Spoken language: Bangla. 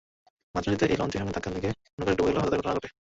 মাঝনদীতে একই লঞ্চের সঙ্গে ধাক্কা লেগে নৌকাটি ডুবে গেলে হতাহতের ঘটনা ঘটে।